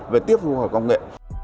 và tiếp thu khoa học công nghệ